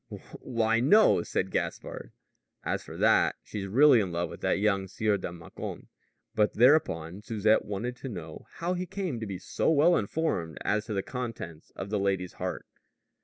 "Why, no," said Gaspard; "as for that, she's really in love with that young Sieur de Mâcon." But thereupon Susette wanted to know how he came to be so well informed as to the contents of the lady's heart.